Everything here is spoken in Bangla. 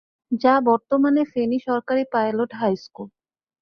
যা বর্তমানে ফেনী সরকারি পাইলট হাই স্কুল।